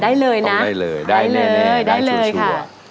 ได้เลยนะได้เลยได้เลยได้เลยค่ะ